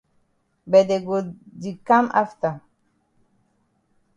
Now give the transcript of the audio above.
But dey go di kam afta.